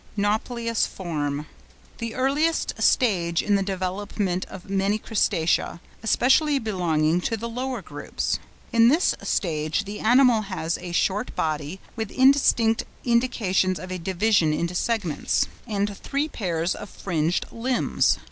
NAUPLIUS FORM.—The earliest stage in the development of many Crustacea, especially belonging to the lower groups. In this stage the animal has a short body, with indistinct indications of a division into segments, and three pairs of fringed limbs.